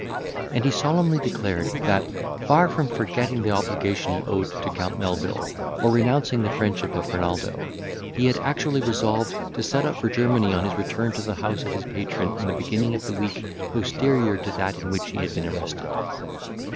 And he solemnly declared, that, far from forgetting the obligation he owed to Count Melvil, or renouncing the friendship of Renaldo, he had actually resolved to set out for Germany on his return to the house of his patron in the beginning of the week posterior to that in which he had been arrested.